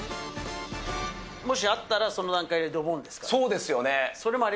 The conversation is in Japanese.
もしあったらその段階でドボそうですよね。